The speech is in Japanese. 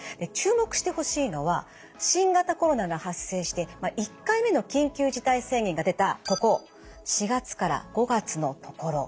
注目してほしいのは新型コロナが発生して１回目の緊急事態宣言が出たここ４月から５月の所。